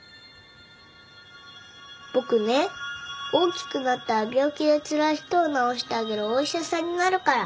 僕ね大きくなったら病気でつらい人を治してあげるお医者さんになるから。